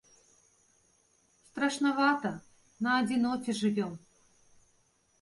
Страшнавата, на адзіноце жывём.